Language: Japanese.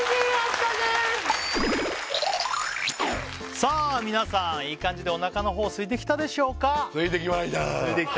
さあ皆さんいい感じでおなかの方すいてきたでしょうかすいてきた？